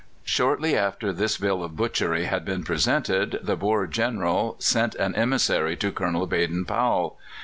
] Shortly after this bill of butchery had been presented the Boer General sent an emissary to Colonel Baden Powell.